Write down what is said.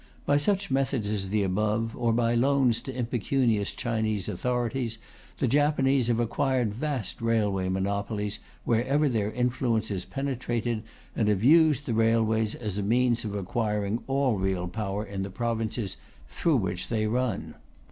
By such methods as the above, or by loans to impecunious Chinese authorities, the Japanese have acquired vast railway monopolies wherever their influence has penetrated, and have used the railways as a means of acquiring all real power in the provinces through which they run.